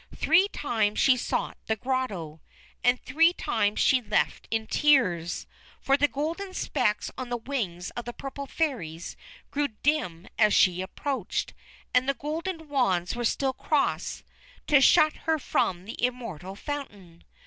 Three times she sought the grotto, and three times she left in tears, for the golden specks on the wings of the Purple Fairies grew dim as she approached, and the golden wands were still crossed to shut her from the Immortal Fountain.